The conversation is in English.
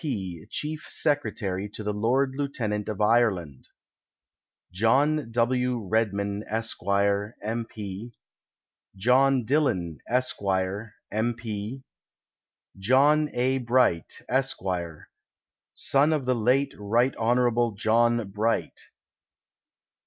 P., Chief Secretary to the Lord Lieutenant of Ireland. John AV. Redmond, Esq., M. P. John Dillon, Esq., M. P. John A. Bright, Esq., son of the late Rt. Hon. John Bright.